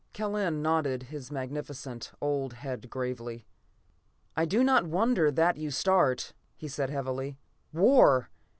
"What?" Kellen nodded his magnificent old head gravely. "I do not wonder that you start," he said heavily. "War!